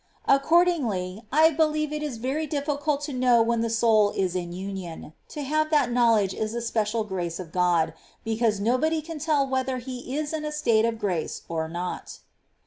Accordingly, I believe it is very ditficult to know when the soul is in union ; to have that know^ledge is a special grace of God, because nobody can tell whether he is in a state of grace or not.